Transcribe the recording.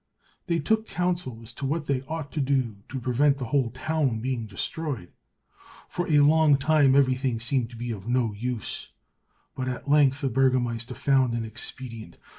They took counsel as to what they ought to do to prevent the whole town being destroyed. For a long time everything seemed to be of no use, but at length the burgomaster found an expedient.